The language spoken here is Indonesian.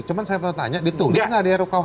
cuma saya mau tanya ditulis nggak di rukuhp